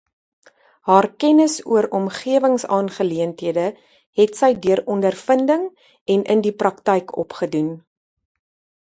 Haar kennis oor omgewingsaangeleenthede het sy deur ondervinding en in die praktyk opgedoen.